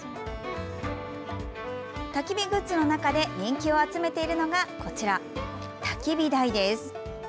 たき火グッズの中で人気を集めているのがこちら、たき火台です。